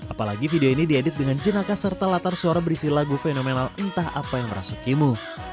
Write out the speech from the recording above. apalagi video ini diedit dengan jenaka serta latar suara berisi lagu fenomenal entah apa yang merasukimu